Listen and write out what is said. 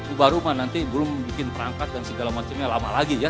ubaruma nanti belum bikin perangkat dan segala macamnya lama lagi ya